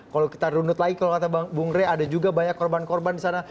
kalau kita rundut lagi kalau kata bung rey ada juga banyak korban korban disana